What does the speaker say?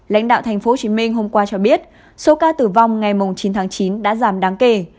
lãnh đạo tp hcm hôm qua cho biết số ca tử vong ngày chín tháng chín đã giảm đáng kể